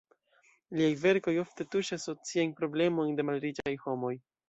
Liaj verkoj ofte tuŝas sociajn problemojn de malriĉaj homoj.